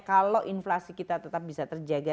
kalau inflasi kita tetap bisa terjaga